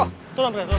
turun kak turun